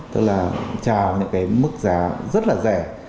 tức là trào những cái mức giá rất là rẻ